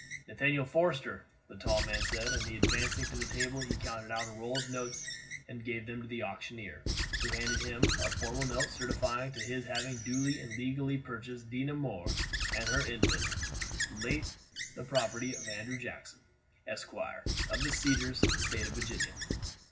"Nathaniel Forster," the tall man said; and advancing to the table he counted out a roll of notes and gave them to the auctioneer, who handed to him a formal note certifying to his having duly and legally purchased Dinah Moore and her infant, late the property of Andrew Jackson, Esquire, of the Cedars, State of Virginia.